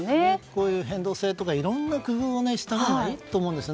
こういう変動制はいろいろな工夫をしたほうがいいです。